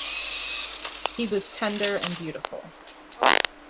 He was tender and beautiful.